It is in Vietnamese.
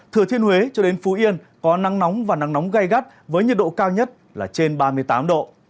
thừa thiên huế cho đến phú yên có nắng nóng và nắng nóng gai gắt với nhiệt độ cao nhất là trên ba mươi tám độ